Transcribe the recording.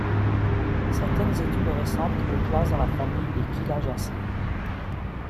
Certaines études récentes le classent dans la famille des Quillajacées.